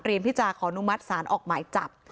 เตรียมพิจารณ์ขออนุมัติสารออกหมายจับ